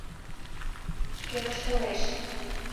Шке воштылеш.